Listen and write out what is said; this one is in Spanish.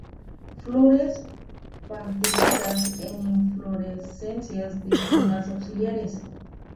Flores pentámeras en inflorescencias de cimas axilares.